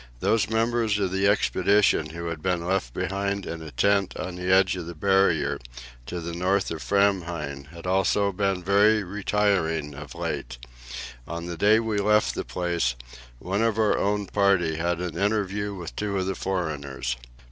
Those members of the expedition who had been left behind in a tent on the edge of the Barrier to the north of Framheim had also been very retiring of late. On the day we left the place, one of our own party had an interview with two of the foreigners.